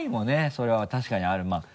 それは確かにあるまぁ。